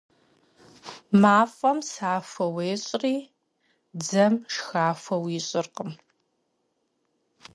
Maf'em saxue yêş'ri dzem şşxaxue yiş'ırkhım.